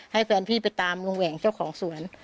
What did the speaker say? ให้แฟนพี่ไปตามลุงแหว่งเจ้าของสวน